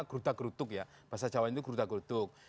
gerutak gerutuk ya bahasa jawa itu gerutak gerutuk